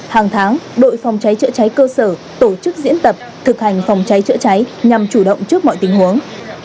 hàng tháng đội phòng cháy chữa cháy cơ sở tổ chức diễn tập thực hành phòng cháy chữa cháy nhằm chủ động trước mọi tình huống